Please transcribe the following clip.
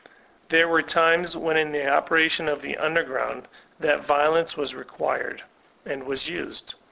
There were times when in the operation of the ''under ground", violence was required, and was used.